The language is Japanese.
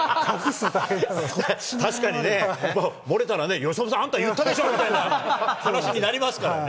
確かにね、漏れたらね、由伸さん、あんた言ったでしょみたいな話になりますからね。